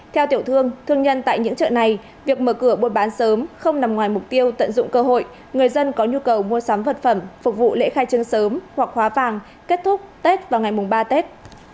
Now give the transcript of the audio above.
theo tiểu thương thương nhân tại những chợ này việc mở cửa buôn bán sớm không nằm ngoài mục tiêu tận dụng cơ hội người dân có nhu cầu mua sắm vật phẩm phục vụ lễ khai trương sớm hoặc hóa vàng kết thúc tết và ngày mùng ba tết